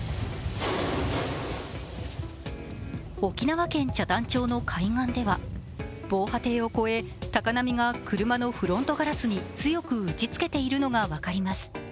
沖縄県北谷町の海岸では防波堤を越え高波が車のフロントガラスに強く打ちつけているのが分かります。